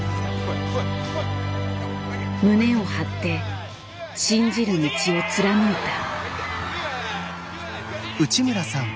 胸を張って信じる道を貫いた。